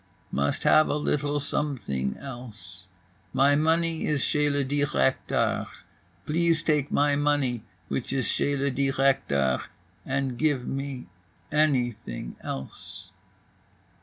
"Must have a little something else. My money is chez le directeur. Please take my money which is chez le directeur and give me anything else."